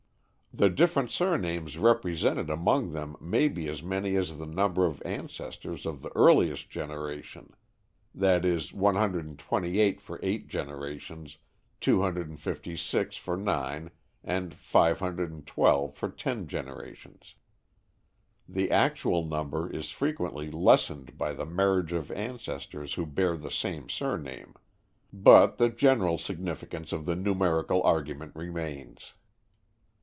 The different surnames represented among them may be as many as the number of ancestors of the earliest generation i.e., 128 for eight generations, 256 for nine, and 512 for ten generations. The actual number is frequently lessened by the marriage of ancestors who bear the same surname. But the general significance of the numerical argument remains.